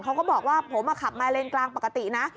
เขาก็บอกว่าผมขับมาเลนกลางปกตินะ